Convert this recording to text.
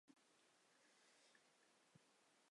乔治亚饮食是指乔治亚独特的饮食文化。